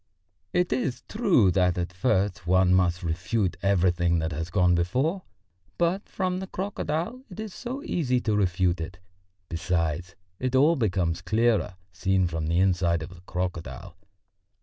It is true that at first one must refute everything that has gone before, but from the crocodile it is so easy to refute it; besides, it all becomes clearer, seen from the inside of the crocodile....